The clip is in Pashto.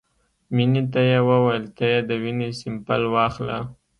مينې ته يې وويل ته يې د وينې سېمپل واخله.